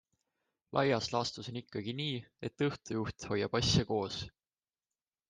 Laias laastus on ikkagi nii, et õhtujuht hoiab asja koos.